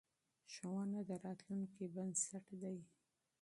ښوونه د راتلونکې بنسټ دی.